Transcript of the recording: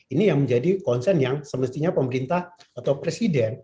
ini yang menjadi konsen yang semestinya pemerintah akan mencari